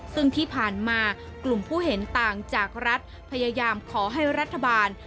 ซึ่งที่ผ่านมากลุ่มผู้เห็นต่างจากรัฐพยายามขอให้รัฐบาล